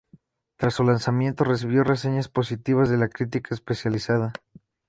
Tras su lanzamiento recibió reseñas positivas de la crítica especializada.